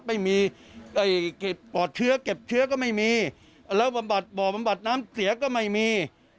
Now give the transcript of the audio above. ไม่มีปอดเชื้อเก็บเชื้อก็ไม่มีแล้วบำบัดบ่อบำบัดน้ำเสียก็ไม่มี